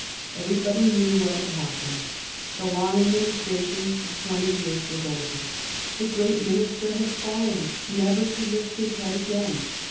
Everybody knew what had happened. The long administration of twenty years was over; the great min ister had fallen, never to lift his head again.